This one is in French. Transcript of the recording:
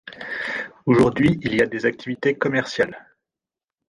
Aujourd'hui, il y a des activités commerciales.